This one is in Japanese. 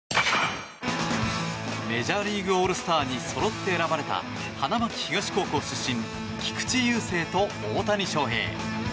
メジャーリーグオールスターにそろって選ばれた花巻東高校出身菊池雄星と大谷翔平。